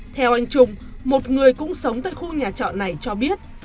theo anh trung một người cũng sống tại khu nhà trọ này cho biết